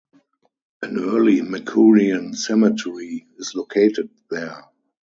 An Early Makurian cemetery is located there.